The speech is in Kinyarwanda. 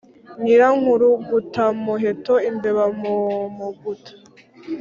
nyirankurugutamuheto-imbeba mu muguta.